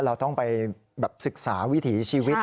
เราต้องไปศึกษาวิถีชีวิต